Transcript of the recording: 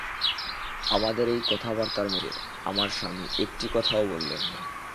আমাদের এই কথাবার্তার মধ্যে আমার স্বামী একটি কথাও বললেন না।